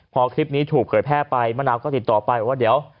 พอคลิปนี้ถูกเผยแพร่ไปมะนาวก็ติดต่อไปว่าเดี๋ยว